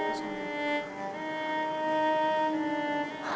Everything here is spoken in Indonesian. kita harus mencari penyelesaian yang bisa diperoleh